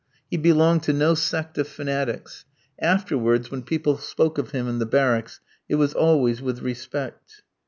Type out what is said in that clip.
He belonged to no sect of fanatics. Afterwards, when people spoke of him in the barracks, it was always with respect.